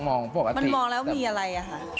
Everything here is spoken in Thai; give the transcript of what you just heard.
มนมองแล้วมีอะไร